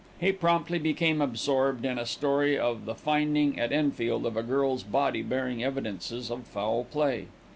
He promptly became absorbed in a story of the finding at Enfield of a girl's body bearing evidences of foul play.